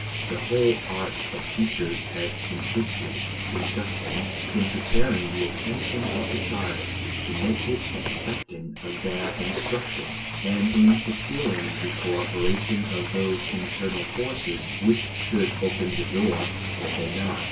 The whole art of teachers has consisted, in substance, in preparing the attention of the child to make it expectant of their instruction, and in securing the cooperation of those internal forces which should "open the door" when they "knock."